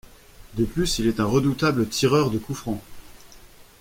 De plus, il est un redoutable tireur de coups francs.